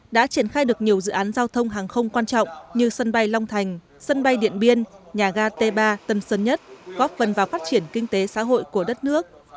đã triển khai được nhiều dự án giao thông hàng không quan trọng như sân bay long thành sân bay điện biên nhà ga t ba tân sơn nhất góp phần vào phát triển kinh tế xã hội của đất nước